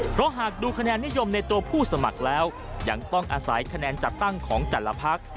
เพราะหากดูคะแนนนิยมในตัวผู้สมัครแล้วยังต้องอาศัยคะแนนจัดตั้งของแต่ละพัก